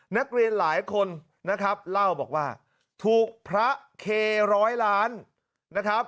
นักเรียนหลายคนนะครับเล่าบอกว่าถูกพระเคร้อยล้านนะครับ